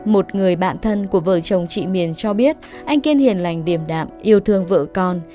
một người bạn thân của vợ chồng chị miền cho biết anh kiên hiền lành điểm đạm yêu thương vợ con